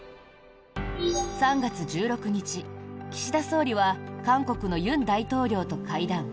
３月１６日、岸田総理は韓国の尹大統領と会談。